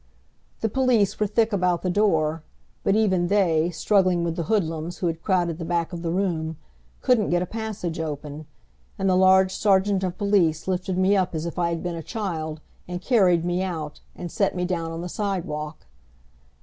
The police were thick about the door, but even they, struggling with the hoodlums who had crowded the back of the room, couldn't get a passage open, and the large sergeant of police lifted me up as if I had been a child and carried me out, and set me down on the sidewalk.